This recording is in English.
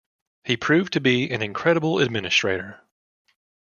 He proved to be an incredible administrator.